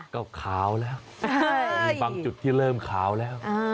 ก็ขาวแล้วมีบางจุดที่เริ่มขาวแล้ว